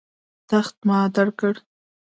تخت ما درکړ.